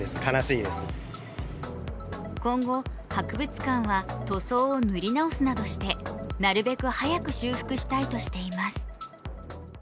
今後、博物館は塗装を塗り直すなどしてなるべく早く修復したいとしています。